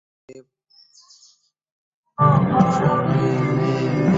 আমাদের দেশের আজকের তরুণ প্রজন্মও কিন্তু থেমে নেই—থেমে নেই তাদের চিন্তাচেতনা।